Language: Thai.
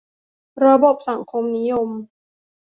ระบบสังคมนิยม